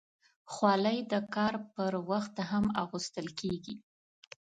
خولۍ د کار پر وخت هم اغوستل کېږي.